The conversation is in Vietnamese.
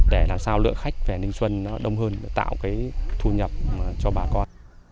để làm sao lượng khách về ninh xuân nó đông hơn tạo cái thu nhập cho bà con